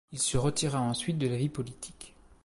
Il se retira ensuite de la vie politique.